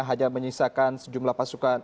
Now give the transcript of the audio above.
hanya menyisakan sejumlah pasukan